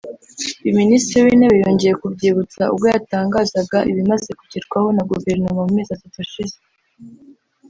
Ibi Minisitiri w’Intebe yongeye kubyibutsa ubwo yatangazaga ibimaze kugerwaho na guverinoma mu mezi atatu ashize